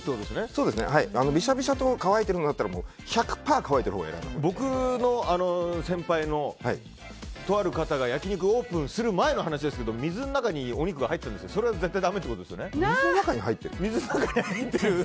そうですね、びしゃびしゃと乾いてるのだったら、１００％僕の先輩の、とある方が焼き肉オープンする前の話ですけど、水の中にお肉が入ってるんですけどそれは絶対だめですよね。